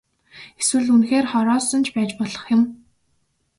Эсвэл үнэхээр хороосон ч байж болох юм.